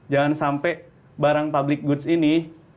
jangan sampai barang public goods ini